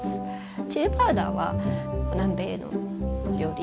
チリパウダーは南米の料理